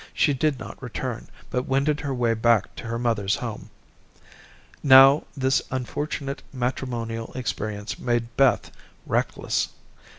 She did not return, but wended her way back to her mother's home. Now this unfortunate matrimonial experience made Beth reckless.